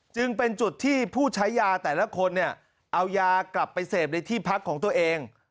จึงเป็นจุดที่ผู้ใช้ยาแต่ละคนเนี่ยเอายากลับไปเสพในที่พักของตัวเอง